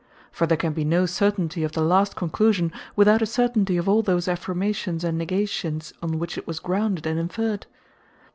For there can be no certainty of the last Conclusion, without a certainty of all those Affirmations and Negations, on which it was grounded, and inferred.